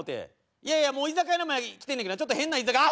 いやいやもう居酒屋の前来てんねんけどちょっと変な居酒屋。